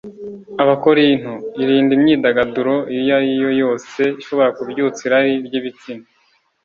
abakorinto irinde imyidagaduro iyo ari yo yose ishobora kubyutsa irari ry ibitsina